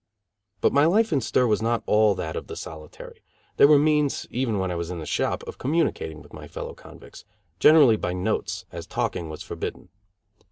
But my life in stir was not all that of the solitary; there were means, even when I was in the shop, of communicating with my fellow convicts; generally by notes, as talking was forbidden.